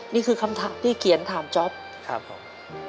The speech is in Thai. นี่คือคำถามที่เขียนถามจ๊อปครับผม